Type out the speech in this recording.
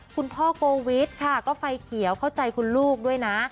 คุณพ่อโกวิทค่ะก็ไฟเขียวเข้าใจคุณลูกด้วยนะ